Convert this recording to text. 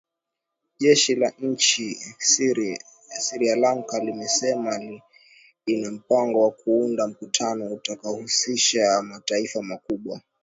jeshi la nchini sri lanka limesema lina mpango wa kuandaa mkutano utakaohusisha mataifa makubwa